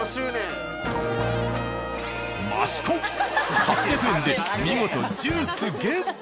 益子３００円で見事ジュースゲット。